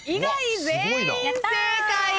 全員正解？